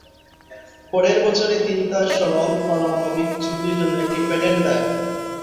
পরের বছরে তিনি তার সরল পারমাণবিক চুল্লীর জন্য একটি পেটেন্ট দায়ের করেন।